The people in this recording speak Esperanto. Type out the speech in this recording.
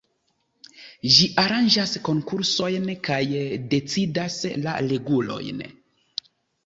Ĝi aranĝas konkursojn kaj decidas la regulojn.